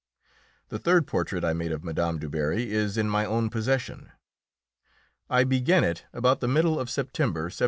The third portrait I made of Mme. Du Barry is in my own possession. I began it about the middle of September, 1789.